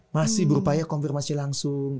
masih bu rupaya konfirmasi langsung